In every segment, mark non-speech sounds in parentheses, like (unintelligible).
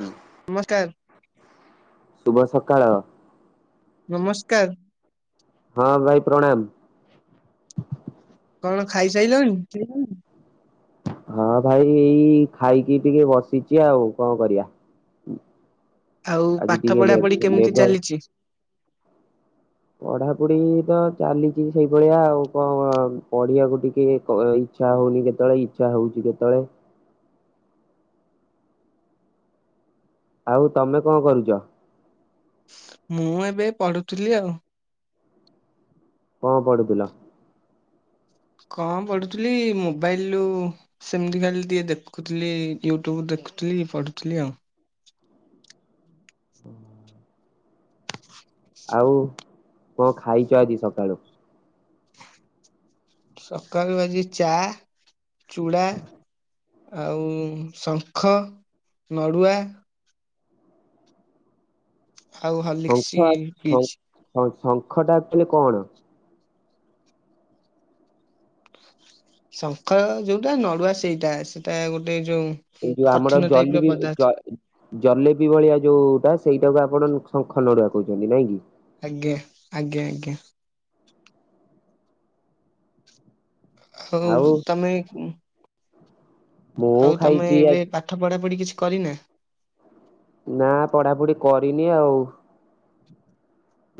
On ନମସ୍କାର। ଶୁଭ ସକାଳ। ନମସ୍କାର। ହଁ ଭାଇ ପ୍ରଣାମ। ତମେ ଖାଇସାରିଲଣି? ହୁଁ। ହଁ ଭାଇ ଏଇ ଖାଇକି ଟିକେ ବସିଛି ଆଉ କଣ କରିବା? ଆଉ ଆଜି ପାଠ ଟିକେ ପଢା ପଢି ମେଘ କେମିତି ମେଘ ଚାଲିଛି? ପଢାପଢି ତ ଚାଲିଛି ସେଇଭଳିଆ ଆଉ କଣ ପଢ଼ିଆକୁ ଟିକେ ଇଛା ହଉନି କେତବେଳେ ଇଚ୍ଛା ହଉଛି କେତବେଳେ। ଆଉ ତମେ କଣ କରୁଛ? ମୁଁ ଏବେ ପଢୁଥିଲି ଆଉ କଁ ପଢୁଥିଲ? କଣ ପଢୁଥିଲି ମୋବାଇଲରୁ ସେମିତି ଖାଲି ଟିକେ ଦେଖୁଥିଲି ୟୁଟ୍ୟୁବ ଦେଖୁଥିଲି ପଢୁଥିଲି ଆଉ। ହୁ ଆଉ କଣ ଖାଇଚ ଆଜି ସକାଳୁ? ସକାଳୁ ଆଜି ଚା, ଚୁଡା। ଆଉ ଶଙ୍ଖ, ନଡୁଆ। ଆଉ ହର୍ଲିକ୍ସ ପିଇଛି। ହଉ ଶଙ୍ଖଟା ଆକ୍ଚୁଆଲି କଣ? ଶଙ୍ଖ ଯୋଉଟା ନଡୁଆ ସେଇଟା। ସେଇଟା ଗୋଟେ ଯୋଉ ଏଇ ଯୋଉ ଆମର କଠିନ ଟାଇପ ର ଜଲିବି ପଦାର୍ଥ। ଜ ଜଲିବି ଭଳିଆ ଯୋଉଟା ସେଇଟାକୁ ଆପଣ ଶଙ୍ଖ ନଡୁଆ କହୁଛନ୍ତି ନାଇଁ କିି? ଆଜ୍ଞା ଆଜ୍ଞା ଆଜ୍ଞା। ହଉ ଆଉ ତମେ ମୁଁ ଆଉ ତମେ ଖାଇଛି ଏବେ ପାଠ ପଢା ପଢି କିଛି କରିନା। ନା ପଢାପଢି କରିନି ଆଉ।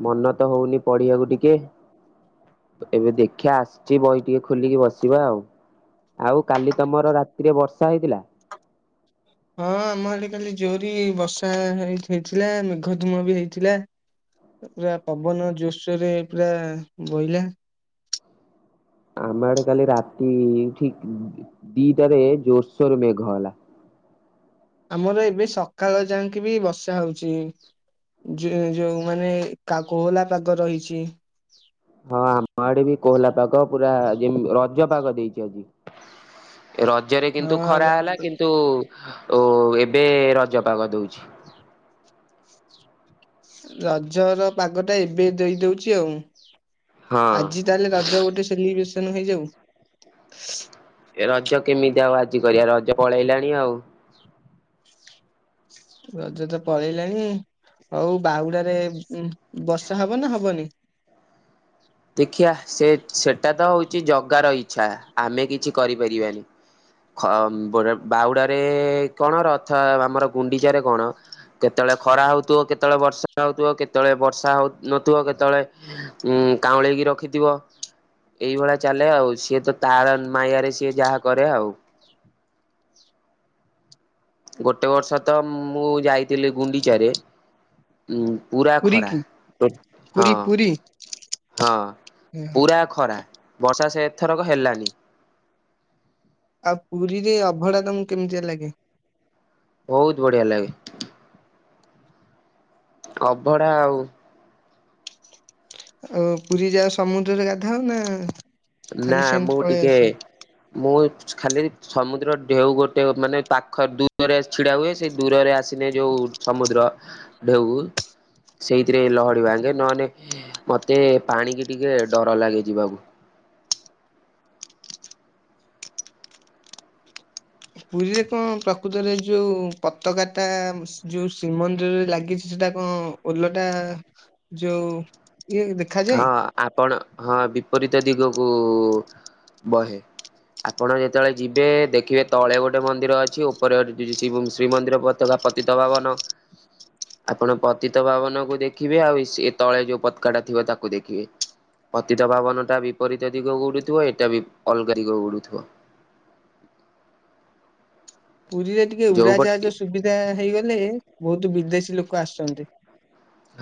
ମନ ତ ହଉନି ପଢିବାକୁ ଟିକେ। ଏବେ ଦେଖିିଆ ଆସିଛି ବହି ଟିକେ ଖୋଲିକି ବସିବା ଆଉ। ଆଉ କାଲି ତମର ରାତିରେ ବର୍ଷା ହେଇଥିଲା। ହଁ ଆମ ଏଠି କାଲି ଜୋରି ବର୍ଷା ହେଇ ହେଇଥିଲା ମେଘ ଧୂମ ବି ହେଇଥିଲା। ପୁରା ପବନ ଜୋର୍ସୋରେ ପୁରା ବହିଲା। ଆମ ଆଡେ କାଲି ରାତି ଠିକ୍ ଦି-ଦିଟାରେ ଜୋର୍ସୋରେ ମେଘ ହେଲା। ଆମର ଏବେ ସକାଳ ଯାଙ୍କେ ବି ବର୍ଷା ହଉଚି। ଯିଏ ଯଉ ମାନେ କୋହଲା ପାଗ ରହିଛି। ହଁ ଆମ ଆଡେ ବି କୋହଲା ପାଗ ପୁରା ଯେ ରଜ ପାଗ ଦେଇଛି ଆଜି। ରଜରେ କିନ୍ତୁ ହଁ ଖରା ହେଲା ର- କିନ୍ତୁ ଏବେ ରଜ ପାଗ ଦଉଛି। ରଜର ପାଗ ଟା ଏବେ ଦେଇ ଦଉଛି ଆଉ। ହଁ ଆଜି ତା ହେଲେ ରଜ ଗୋଟେ ସେଲିବ୍ରେସନ ହେଇଯାଉ। ଏ ରଜ କେମିତି ଆଉ ଆଜି କରିବା। ରଜ ପଳେଇଲାଣି ଆଉ। ରଜ ତ ପଳେଇଲାଣି। ହଉ ବାହୁଡାରେ ବର୍ଷା ହବ ନା ହବନି। ଦେଖିିବା ସେ ସେଟା ତ ହଉଛି ଜଗାର ଇଚ୍ଛା ଆମେ କିଛି କରିପାରିବାନି। ଖ-ବ-ବାହୁଡାରେ କଣ, ଆମର ଗୁଣ୍ଡିଚାରେ କଣ? କେତବଳେ ଖରା ହଉଥିବ କେତବଳେ ବର୍ଷା ହଉଥିବ କେତବଳେ ବର୍ଷା ହଉ ନଥିବ କେତବଳେ ଉଁ କାଉଁଳେଇକି ରଖିଥିବ। ଏଇଭଳିଆ ଚାଲେ ଆଉ ସିଏ ତ ତାର ମାୟାରେ ସିଏ ଯାହା କରେ ଆଉ। ଗୋଟେ ବର୍ଷ ତ ମୁଁ ଯାଇଥିଲି ଗୁଣ୍ଡିଚାରେ। ଉଁ ପୁରା ପୁରୀ ଖରା। କି ପୁରୀ ହଁ। ପୁରୀ? ହଁ ପୁରା ଖରା। ବର୍ଷା ସେ ଥରକ ହେଲାନି। ଆଉ ପୁରୀରେ ଅଭଡା ତମକୁ କେମିତିଆ ଲାଗେ? ବହୁତ ବଢିଆ ଲାଗେ। ଅଭଢା ଆଉ। ଆଉ ପୁରୀ ଯାଅ। ସମୁଦ୍ରରେ ଗାଧାଅ ନା ନା ଖାଲି ମୁଁ ସେମିତି ପଳେଇ ଟିକେ ଆସ? ମୁଁ ଖାଲି ସମୁଦ୍ର ଢେଉ ଗୋଟେ ମାନେ ପାଖ ଦୂରରେ ଛିଡା ହୁଏ। ସେଇ ଦୂରରେ ଆସିଲେ ଯୋଉ ସମୁଦ୍ର ଯାଗୁଲ ସେଇଥିରେ ଲହଡ଼ି ଭାଙ୍ଗେ ନହେଲେ ମତେ ପାଣିକି ଟିକେ ଡର ଲାଗେ ଯିବାକୁ। ପୁରୀରେ କଣ ପ୍ରକୃତରେ ଯୋଉ ପତାକା ଟା ଯୋଉ ଶ୍ରୀମନ୍ଦିରରେ ଲାଗିଛି। ସେଟା କଣ ଓଲଟା ଯୋଉ ଇଏ ଦେଖ ହଁ ଆପଣ ହଁ ବିପରୀତ ଦିଗକୁ ବହେ। ଆପଣ ଯେତେବେଳେ ଯିବେ ଦେଖିବେ ତଳେ ଗୋଟେ ମନ୍ଦିର ଅଛି ଉପରେ ଗ ଶ୍ରୀମନ୍ଦିର ପତାକା। ପତିିତପାବନ। ଆପଣ ପତିତପାବନକୁ ଦେଖିବେ ଆଉ ଇ ସିଏ ତଳେ ଯୋଉ ପତକାଟା ଥିବ ତାକୁ କୁ ଦେଖିବେ ପତିତପାବନ ଟା ବିପରୀତ ଦିଗକୁ ଉଡୁଥିବ ଏଟା ବି ଅଲଗା ଦିଗକୁ ଉଡୁଥିବ। ପୁରୀରେ ଟିକେ ଯୋଉପଟେ ଉଡାଜାହାଜ ସୁବିଧା ହେଇଗଲେ ବହୁତ ବିଦେଶୀ ଲୋକ ଆସନ୍ତେ।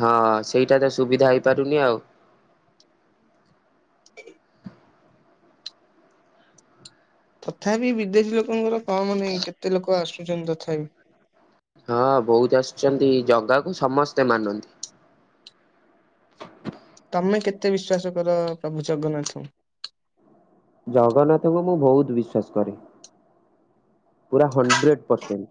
ହଁ ସେଇଟା ତ ସୁବିଧା ହେଇପାରୁନି ଆଉ। ତଥାପି ବିଦେଶୀ ଲୋକଙ୍କର କମ ନାହିଁ କେତେ ଲୋକ ଆସୁଛନ୍ତି ତଥାପି। ହଁ ବହୁତ ଆସୁଚନ୍ତି ଜଗାକୁ ସମସ୍ତେ ମାନନ୍ତି। ତମେ କେତେ ବିଶ୍ଵାସ କର ପ୍ରଭୁ ଜଗନ୍ନାଥଙ୍କୁ। ଜଗନ୍ନାଥଙ୍କୁ ମୁଁ ବହୁତ ବିଶ୍ଵାସ କରେ ପୁରା ହଣ୍ଡ୍ରେଡ ପରସେଣ୍ଟ।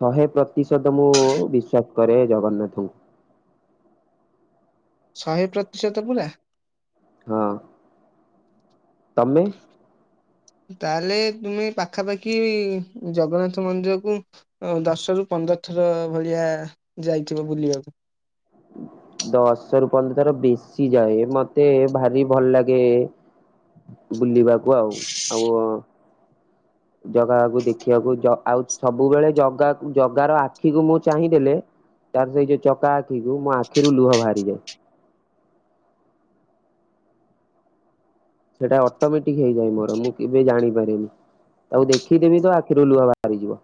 ଶହେ ପ୍ରତିଶତ ମୁଁ ବିଶ୍ଵାସ କରେ ଜଗନ୍ନାଥଙ୍କୁ। ଶହେ ପ୍ରତିଶତୋ ପୁରା। ହଁ। ତମେ? ତାହେଲେ ତୁମେ ପାଖାପାଖି ଜଗନ୍ନାଥ ମନ୍ଦିର କୁ ଦଶ ରୁ ପନ୍ଦର ଥର ଭଳିଆ ଯାଇଥିବ ବୁଲିବାକୁ। ଦଶ ରୁ ପନ୍ଦର ଥର ବେଶି ଯାଏ ମତେ ଭାରି ଭଲ ଲାଗେ। ବୁଲିବାକୁ ଆଉ ଆଉ ଜଗାକୁ ଦେଖିବାକୁ ଆଉ ସବୁବେଳେ ଜଗାକୁ ଜଗା ର ଆଖିକୁ ମୁଁ ଚାହିଁ ଦେଲେ ତାର ସେଇ ଯୋଉ ଚକା ଆଖିକୁ ମୋ ଆଖିରୁ ଲୁହ ବାହାରିଯାଏ। ସେଇଟା ଅଟୋମେଟିକ ହେଇଯାଏ ମୋର ମୁଁ କେବେ ଜାଣିପାରେନି। ତାକୁ ଦେଖିଦେବି ତ ଆଖିରୁ ଲୁହ ବାହାରିଯିବ।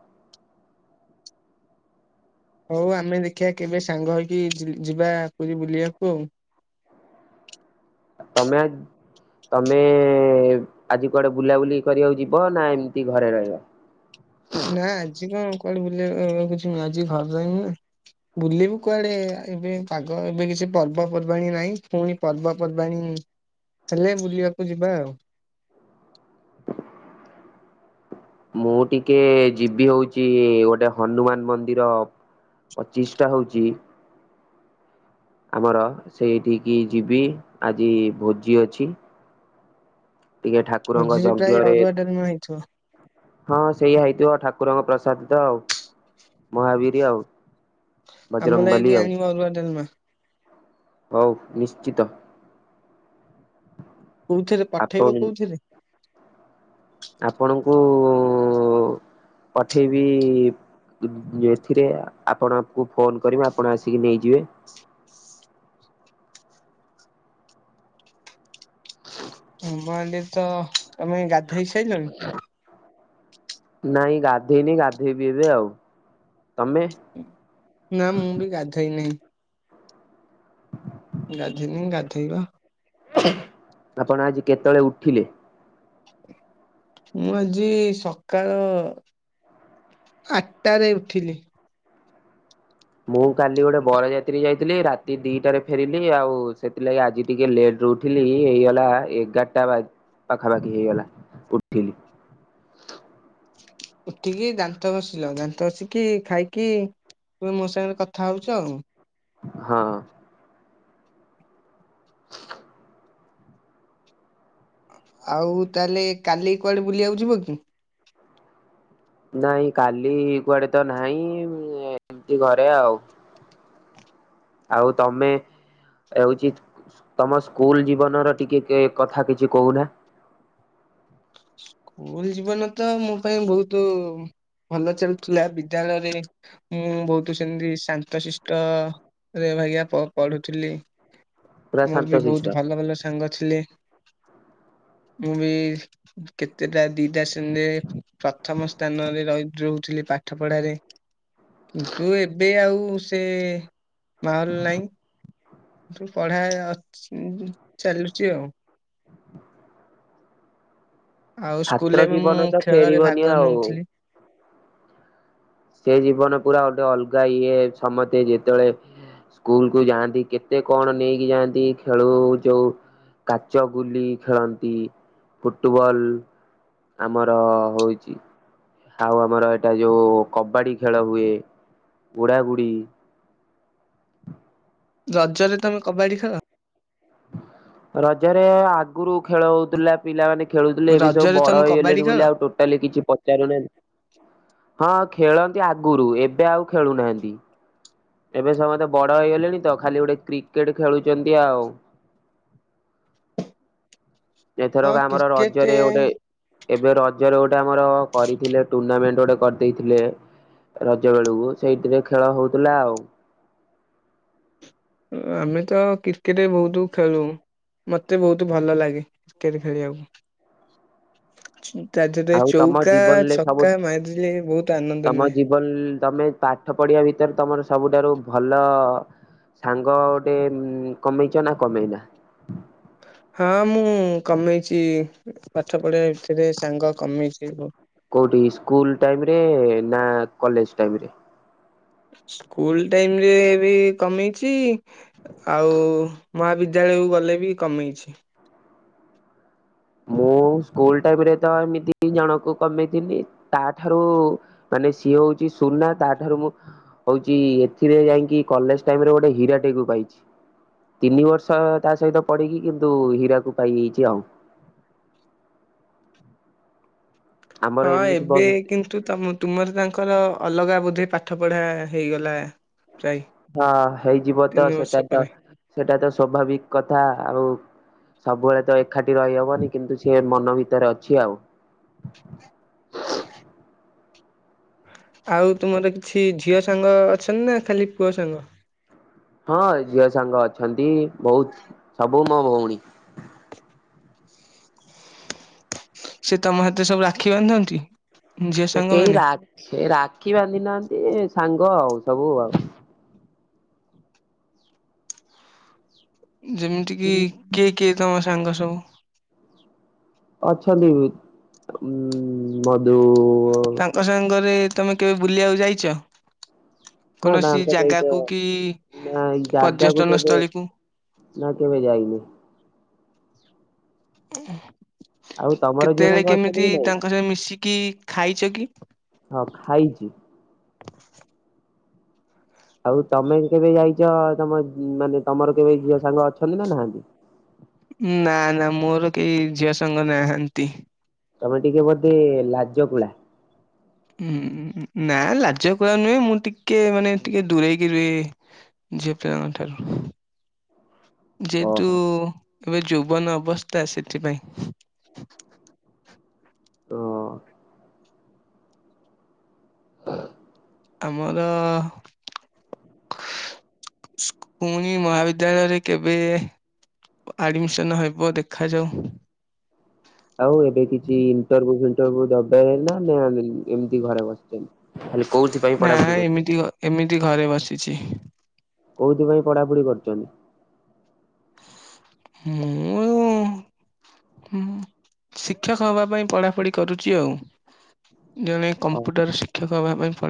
ହଉ ଆମେ ଦେଖିଆ କେବେ ସାଙ୍ଗ ହେଇକି ଯିବା ପୁରୀ ବୁଲିବାକୁ ଆଉ। ତମେ ତମେ ଆଜି କୁଆଡେ ବୁଲାବୁଲି କରିବାକୁ ଯିବ ନା ଏମିତି ଘରେ ରହିବ। ନାଁ ଆଜି କଣ କୁଆଡେ ବୁଲିବା କିଛି ନୁହଁ ଆଜି ଘର ରହିବି ନାଁ। ବୁଲିବୁ କୁଆଡେ ଏବେ ପାଗ ଏବେ କିଛି ପର୍ବପର୍ବାଣୀ ନାହିଁ ପୁଣି ପର୍ବପର୍ବାଣୀ ହେଲେ ବୁଲିବାକୁ ଯିବା ଆଉ। ମୁଁ ଟିକେ ଯିବି ହଉଛି ଗୋଟେ ହନୁମାନ ମନ୍ଦିର ପ୍ରଚିଷ୍ଠା ହଉଚି। ଆମର ସେଇଠିକି ଯିବି ଆଜି ଭୋଜି ଅଛି। ଟିକେ ଠାକୁରଙ୍କ ମଝିରେ ପ୍ରାୟ ଯଜ୍ଞରେ ଅରୁଆ ଡାଲମା ହେଇଥିବ। ହଁ ହଁ ସେଇଆ ହେଇଥିବ ଠାକୁରଙ୍କ ପ୍ରସାଦ ତ ଆଉ। ମହାବୀର ଆଉ। ଆମ ବଜରଙ୍ଗ ଲାଗି ବାଲି ଟିକେ ଆଉ। ଆଣିବ ଅରୁଆ ଡ଼ାଲମା। ହଉ ନିଶ୍ଚିତ। କୋଉଥିରେ ଆପଣ ପଠେଇବ କୋଉଥିରେ। ଆପଣଙ୍କୁ ପଠେଇବି ଏଥିରେ ଆପଣଙ୍କୁ ଫୋନ୍ କରିବି ଆପଣ ଆସିକି ନେଇଯିବେ। ଆମହାଣ୍ଡିରେ ତ ତମେ ଗାଧେଇ ସାଇଲଣି। ନାଇଁ ଗାଧେଇନି ଗାଧେଇବି ଏବେ ଆଉ ତମେ? ନାଁ ମୁଁ ବି ଗାଧୋଇ ନେଇ। ଗାଧୋଇନି ଗାଧୋଇବା। ଆପଣ ଆଜି କେତେବେଳେ ଉଠିଲେ? ମୁଁ ଆଜି ସକାଳ ଆଟାରେ ଉଠିଲି? ମୁଁ କାଲି ଗୋଟେ ବରଜା ତ୍ରି ଯାଇଥିଲି ରାତି ଦୁଇଟାରେ ଫେରିଲି ଆଉ ସେଥିଲାଗି ଆଜି ଟିକେ ଲେଟ୍ ରେ ଉଠିଲି ହେଇଗଲା ଏଗାର ତା ବାଦ ପାଖାପାଖି ହେଇଗଲା ଉଠିଲି। ଉଠିକି ଦାନ୍ତ ଘଷିଲ ଦାନ୍ତ ଘଷିକି ଖାଇକି ତୁମେ ସାଙ୍ଗରେ କଥା ହଉଚ ଆଉ। ହଁ (inaudible) ଆଉ ତାହେଲେ କାଲି କୁଆଡ଼େ ବୁଲିବାକୁ ଯିବ କି? ନାଇଁ କାଲି କୁଆଡେ ତ ନାହିଁ ଏମିତି ଘରେ ଆଉ। ଆଉ ତମେ? ହେଉଛି ତମ ସ୍କୁଲ୍ ଜୀବନର ଟିକେ କେ କଥା କିଛି କହୁନା? ସ୍କୁଲ ଜୀବନ ତ ମୋ ପାଇଁ ବହୁତ ଭଲ ଚାଲୁଥିଲା ବିଦ୍ୟାଳୟରେ। ମୁଁ ବହୁତ ସେମିତି ଶାନ୍ତଶିଷ୍ଟ। ରେ ଭାଇଗାପଢୁଥିଲି। ପୁରା ମୋର ବି ବହୁତ ଶାନ୍ତଶିଷ୍ଟ। ଭଲ ଭଲ ସାଙ୍ଗ ଥିଲେ ମୁଁ ବି। କେତେଟା ଦିଟା ଶେଣୀରେ ପ୍ରଥମ ସ୍ଥାନରେ ରହି ରହୁଥିଲି ପାଠ ପଢାରେ। କିନ୍ତୁ ଏବେ ଆଉ ସେ ମାହଲ ନାହିଁ। ଏଠୁ ପଢା ଅ ଛ ଚାଲୁଛି ଆଉ। ଆଉ ସ୍କୁଲରେ ଛାତ୍ର ବି ଜୀବନ ମୁଁ ତ ଖେଳରେ ଫେରିବନି ଭାଗ ଆଉ। ନେଉଥିଲି। ସେ ଜୀବନ ପୁରା ଗୋଟେ ଅଲଗା ଇଏ ସମସ୍ତେ ଯେତେବେଳେ ସ୍କୁଲ କୁ ଯାଆନ୍ତି କେତେ କଣ ନେଇକି ଯାଆନ୍ତି ଖେଳ ଯୋଉ। କାଚ ଗୁଲି ଖେଳନ୍ତି ଫୁଟବଲ। ଆମର ହଉଛି। ଆଉ ଆମର ଏଇଟା ଯୋଉ କବାଡ଼ି ଖେଳ ହୁଏ ବୁ ଡ଼ାବୁଡି। ରଜରେ ତମେ କବାଡି ଖେଳ। ରଜରେ ଆଗରୁ ଖେଳ ହଉଥିଲା। ପିଲାମାନେ ଖେଳୁଥିଲେ ଏବେ ସବୁ ରଜରେ ବଡ ତମେ କବାଡି ହେଇଗଲେଣି ଖେଳ? ବୋଲି ଆଉ ଟୋ ଟାଲି କିଛି ପଚାରୁନାହାନ୍ତି ହଁ ଖେଳନ୍ତି ଆଗରୁ ଏବେ ଆଉ ଖେଳୁନାହାନ୍ତି। ଏବେ ସମସ୍ତେ ବଡ ହେଇଗଲେଣି ତ ଖାଲି ଗୋଟେ କ୍ରିକେଟ ଖେଳୁଛନ୍ତି ଆଉ। ହଁ ଏଥରକ ଆମର କ୍ରିକେଟ ରଜରେ ଗୋଟେ ଏବେ ରଜରେ ଗୋଟେ ଆମର କରିଥିଲେ ଟୁର୍ଣ୍ଣାମେଣ୍ଟ ଗୋଟେ କରିଦେଇଥିଲେ। ରଜ ବେଳକୁ ସେଇଥିରେ ଖେଳ ହଉଥିଲା ଆଉ। ଆମେ ତ କ୍ରିକେଟ ବହୁତ ଖେଳୁ। ମତେ ବହୁତ ଭଲ ଲାଗେ କ୍ରିକେଟ ଖେଳିବାକୁ। (inaudible) ତା ଦେହରେ ଆଉ ତମ ଚଉକା ଜୀବନରେ ସବୁ ଛକା ମାରିଲେ ବହୁତ ଆନନ୍ଦ ମିଳେ। (unintelligible) ତମେ ପାଠ ପଢିବା ଭିତରେ ତମର ସବୁଠାରୁ ଭଲ ସାଙ୍ଗ ଗୋଟେ ଉମୁ କମେଇଛ ନା କମେଇନା। ହଁ ମୁଁ କମେଇଛି ପାଠ ପଢିବା ଭିତରେ ସାଙ୍ଗ କମେଇଛି। କୋଉଠି ସ୍କୁଲ ଟାଇମ ରେ ନା କଲେଜ ଟାଇମରେ। ସ୍କୁଲ୍ ଟାଇମ୍ ରେ ଵି କମେଇଚି ଆଉ ମହାବିଦ୍ୟାଳୟକୁ ଗଲେ ବି କମେଇଛି। ମୁଁ ସ୍କୁଲ ଟାଇମ ରେ ତ ଏମିତି ଜଣକୁ କମେଇଥିଲି ତାଠାରୁ ମାନେ ସିଏ ହୋଉଚି ସୁନା ତାଠାରୁ ମୁଁ ହୋଉଚି ଏଥିରେ ଯାଇକି କଲେଜ ଟାଇମ୍ ରେ ଗୋଟେ ହୀରା ଟେକୁ ପାଇଚି। ତିନି ବର୍ଷ ତା ସହିତ ପଢିକି କିନ୍ତୁ ହୀରାକୁ ପାଇଯାଇଚି ଆଉ। ଆମର ହଁ ଏମିତି ବ ଏବେ ହଁ କିନ୍ତୁ ତୁ ତ ତୁମର ତାଙ୍କର ଅଲଗା ବୋଧେ ପାଠ ପଢା ହେଇଗଲା ପ୍ରାୟି। ହଁ ହେଇଯିବ ତ ସେଟା ତ ସେଇଟା ତ ସୋଭାବିକ କଥା ଆଉ ସବୁବେଳେ ତ ଏଇ ଏକାଠି ରହିହବନି କିନ୍ତୁ ସେ ମନ ଭିତରେ ଅଛି ଆଉ। ଆଉ ତୁମର କିଛି ଝିଅ ସାଙ୍ଗ ଅଛନ୍ତି ନା ଖାଲି ପୁଅ ସାଙ୍ଗ। ହଁ ଝିଅ ସାଙ୍ଗ ଅଛନ୍ତି ବୋହୁତ ସବୁ ମୋ ଭଉଣୀ। ସେତମ ହାତରେ ସବୁ ରାକ୍ଷୀ ବାନ୍ଧନ୍ତି। ଝିଅ ସାଙ୍ଗ କେହି ମାନେ ରା ରାକ୍ଷୀ ବାନ୍ଧି ନାହାନ୍ତି ସାଙ୍ଗ ଆଉ ସବୁ ଆଉ। ଯେମିତି କିି କିଏ କିଏ ତମ ସାଙ୍ଗ ସବୁ। ଅଛନ୍ତି ଉ ମଧୁ ଙ୍କ ସାଙ୍ଗରେ ତମେ କେବେ ବୁଲିବାକୁ ଯାଇଛ। ହଁ କୌଣସି ତାଙ୍କ ସହିତ ଜାଗାକୁ କି ନା ଏଇ ଜାଗାକୁ ପର୍ଯ୍ୟଟନ କେବେ ସ୍ଥଳୀ କୁ। ନା କେବେ ଯାଇନି। ଆଉ ତମର ଝିଅ କେତେବେଳେ ସାଙ୍ଗ ଅଛନ୍ତି କି କେମିତି ନାଇଁ? ତାଙ୍କ ସ ମିଶିକି ଖାଇଛ କି? ହଁ ଖାଇଚି। ଆଉ ତମେ କେବେ ଯାଇଛ ତମ ମାନେ ତମର କେବେ ଝିଅ ସାଙ୍ଗ ଅଛନ୍ତି ନା ନାହାନ୍ତି। ନା ନା ମୋର କେହି ଝିଅ ସାଙ୍ଗ ନାହାନ୍ତି। ତମେ ଟିକେ ବୋଧେ ଲାଜ କୁଳା। ହୁଁ ନା ଲାଜ କର ନୁହେଁ ମୁଁ ଟିକେ ମାନେ ଟିକେ ଦୂରେଇକି ରୁହେ ଝିଅ ପିଲଙ୍କ ଠାରୁ। ଯେହେତୁ ଓହୋ ଏବେ ଯୁବନ ଅବସ୍ଥା ସେଥିପାଇଁ। ତ (inaudible) ଆମର ପୁଣି ମହାବିଦ୍ୟାଳୟରେ କେବେ ଆଡମିସନ ହେବ ଦେଖାଯାଉ। ଆଉ ଏବେ କିଛି ଇଣ୍ଟରଭୁ ଫିଣ୍ଟରଭୁ ଦବ (unintelligible) ଏମିତି ଘରେ ବସି ଖାଲି କୋଉଥିପାଇଁ। ନା ଏମିତି ଗ ଏମିତି ଘରେ ବସିଛି। କୋଉଥିପାଇଁ ପଢ଼ାପଢି କରୁଚନ୍ତି। ମୁଁ ଉଁ ହୁଁ ଶିକ୍ଷକ ହବା ପାଇଁ ପଢାପଢି କରୁଚି ଆଉ। ଜଣେ କମ୍ପ୍ୟୁଟର ଶିକ୍ଷକ ହେବା ପାଇଁ ପଢେ